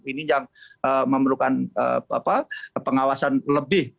ini yang memerlukan pengawasan lebih